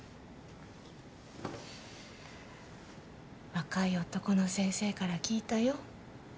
若い男の先生から聞いたよ。